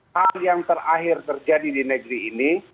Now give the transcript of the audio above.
hal yang terakhir terjadi di negeri ini